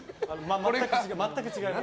全く違います。